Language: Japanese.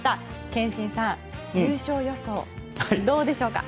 憲伸さん、優勝予想どうでしょうか。